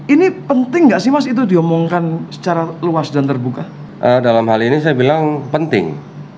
ini penting gak sih mas itu diomongkan secara luas dan terbuka dalam hal ini saya bilang penting